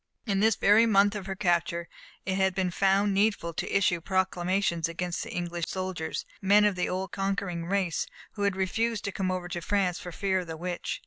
In this very month of her capture, it had been found needful to issue proclamations against English soldiers, men of the old conquering race, who had refused to come over to France for fear of the Witch.